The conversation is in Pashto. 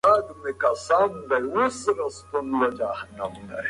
نو د الګو په ټاکلو کې دقت وکړئ.